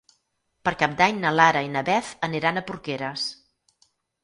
Per Cap d'Any na Lara i na Beth aniran a Porqueres.